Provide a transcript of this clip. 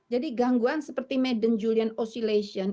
jadi gangguan seperti madden julian oscillation